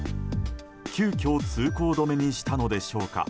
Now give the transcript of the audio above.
急きょ通行止めにしたのでしょうか